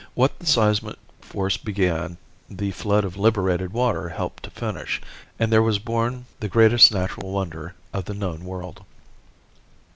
What the seismic force began the flood of liberated water helped to finish, and there was born the greatest natural wonder of the known world.